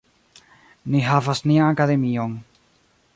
Ni havas nian Akademion.